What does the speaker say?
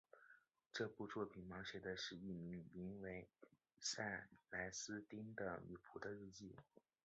这部作品描写的是一名名叫塞莱丝汀的女仆的日记。